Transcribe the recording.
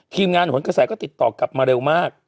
ทีมงานหนกระแสก็ติดต่อกลับมาเร็วมาก